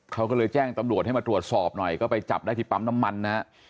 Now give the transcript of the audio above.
เขาก็เลยแจ้งตำรวจให้มาตรวจสอบหน่อยก็ไปจับได้ที่ปั๊มน้ำมันนะฮะ